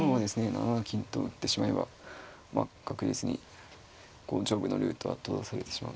７七金と打ってしまえば確実に上部のルートは閉ざされてしまうので。